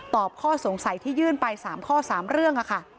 ข้อสงสัยที่ยื่นไป๓ข้อ๓เรื่องค่ะ